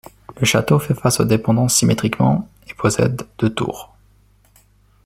Le château fait face aux dépendances symétriquement et possède deux tours.